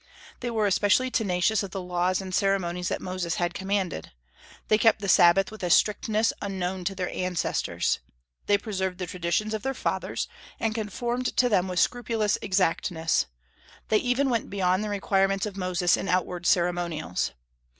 They were especially tenacious of the laws and ceremonies that Moses had commanded. They kept the Sabbath with a strictness unknown to their ancestors. They preserved the traditions of their fathers, and conformed to them with scrupulous exactness; they even went beyond the requirements of Moses in outward ceremonials.